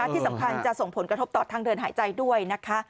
ที่สำคัญจะส่งผลกระทบต่อทางเดินหายใจด้วยนะคะ